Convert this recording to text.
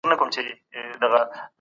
انلاين کورسونو د زده کړې دوام ساتلی دی.